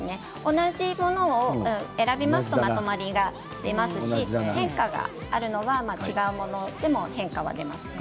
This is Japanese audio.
同じものを選びますとまとまりが出ますし変化がある、違うものでも変化が出ます。